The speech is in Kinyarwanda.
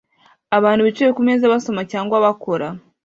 Abantu bicaye kumeza basoma cyangwa bakora